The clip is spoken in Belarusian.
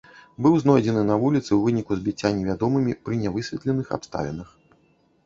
Быў знойдзены на вуліцы ў выніку збіцця невядомымі пры нявысветленых абставінах.